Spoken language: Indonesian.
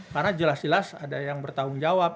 karena jelas jelas ada yang bertanggung jawab